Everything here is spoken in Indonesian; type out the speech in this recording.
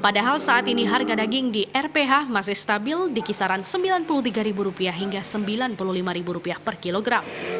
padahal saat ini harga daging di rph masih stabil di kisaran rp sembilan puluh tiga hingga rp sembilan puluh lima per kilogram